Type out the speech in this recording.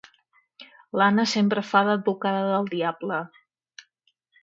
L'Anna sempre fa d'advocada del diable.